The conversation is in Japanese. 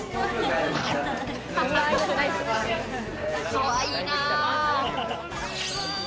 かわいいな。